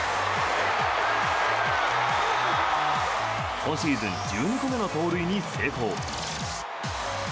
今シーズン１２個目の盗塁に成功。